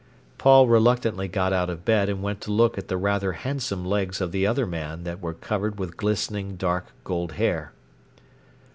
Paul reluctantly got out of bed and went to look at the rather handsome legs of the other man that were covered with glistening, dark gold hair.